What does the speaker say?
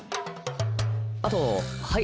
あとはい。